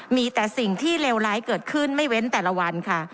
มีแต่สิ่งที่เลวร้ายเกิดขึ้นไม่เว้นแต่ละวันค่ะ